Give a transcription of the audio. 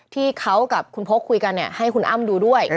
ที่เขากับคุณพกคุยกันให้คุณอ้ำดูด้วย